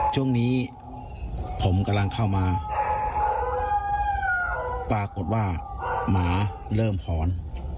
ช่วงนี้ผมกำลังเข้ามาปรากฏว่าหมาเริ่มหอน